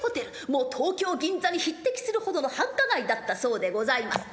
もう東京・銀座に匹敵するほどの繁華街だったそうでございます。